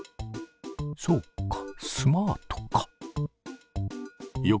そうかスマートか。